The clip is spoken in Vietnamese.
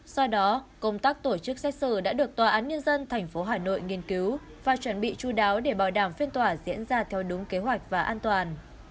do đó công tác tổ chức xét xử đã được tòa án nhân dân tp hà nội nghiên cứu và chuẩn bị chú đáo để bảo đảm phiên tòa diễn ra theo đúng kế hoạch và an toàn